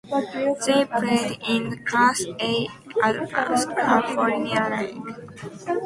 They played in the Class A-Advanced California League.